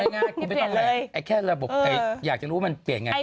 เอาง่ายกูไม่ต้องแค่ระบบให้อยากจะรู้ว่ามันเปลี่ยนยังไง